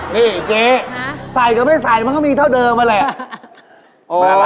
นี่เจส่วก็ไม่ใส่เขาก็มีเท่าเดิมเอาแหละ